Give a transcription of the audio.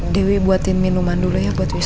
dewi buatin minuman dulu ya buat wisnu ya